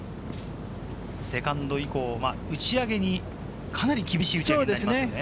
セカンド以降、打ち上げにかなり厳しい打ち上げになります。